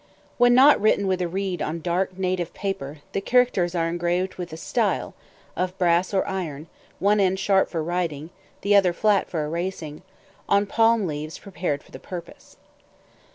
When not written with a reed on dark native paper, the characters are engraved with a style (of brass or iron, one end sharp for writing, the other flat for erasing) on palm leaves prepared for the purpose.